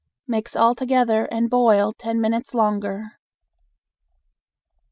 Mix all together and boil ten minutes longer.